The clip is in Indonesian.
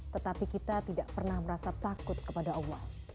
tetapi kita tidak pernah merasa takut kepada allah